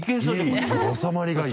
いい収まりがいい。